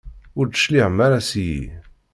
Ur d-tecliɛem ara seg-i?